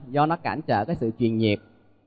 do nó cản trở cái sự chuyên nhiệm